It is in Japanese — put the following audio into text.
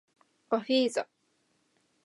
ガフィーザ